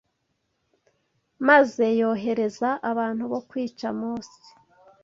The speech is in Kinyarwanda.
maze yohereza abantu bo kwica Mose